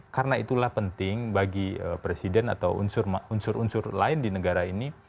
karena itulah penting bagi presiden atau unsur unsur lain di negara ini